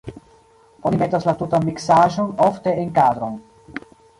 Oni metas la tutan miksaĵon ofte en kadron.